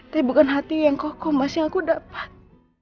tapi bukan hati yang kokoh mas yang aku dapat